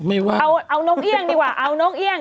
เอาน้องเบี้ยงดีกว่าเอาน้องเบี้ยง